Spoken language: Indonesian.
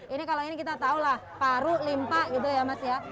ini kalau ini kita tahu lah paru limpa gitu ya mas ya